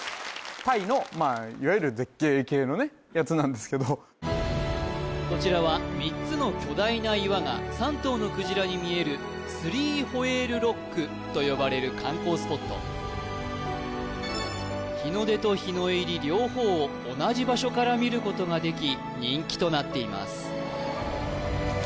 タイのまあいわゆる絶景系のねやつなんですけどこちらは３つの巨大な岩が３頭のクジラに見えるスリーホエールロックと呼ばれる観光スポット日の出と日の入り両方を同じ場所から見ることができ人気となっています